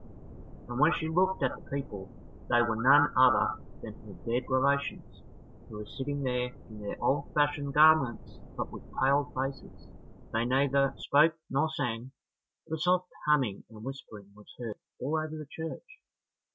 And when she looked at the people, they were none other than her dead relations who were sitting there in their old fashioned garments, but with pale faces. They neither spoke nor sang; but a soft humming and whispering was heard all over the church.